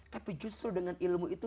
tapi justru dengan ilmu itu